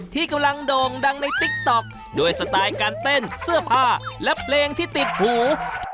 ที่กำลังโด่งดังในติ๊กต๊อกด้วยสไตล์การเต้นเสื้อผ้าและเพลงที่ติดหู